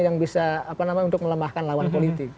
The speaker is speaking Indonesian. yang bisa apa namanya untuk melemahkan lawan politik